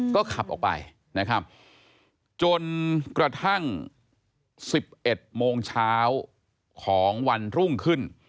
ก็ขับออกไปนะครับจนกระทั่ง๑๑โมงเช้าของวันรุ่งขึ้น